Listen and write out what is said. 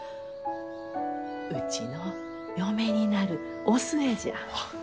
うちの嫁になるお寿恵じゃ。